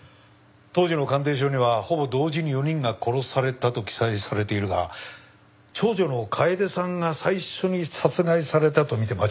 当時の鑑定書にはほぼ同時に４人が殺されたと記載されているが長女の楓さんが最初に殺害されたとみて間違いない。